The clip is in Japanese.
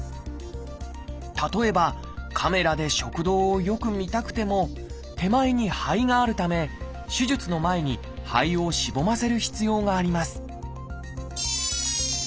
例えばカメラで食道をよく見たくても手前に肺があるため手術の前に肺をしぼませる必要があります